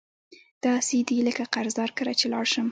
داسي دي لکه قرضدار کره چی لاړ شم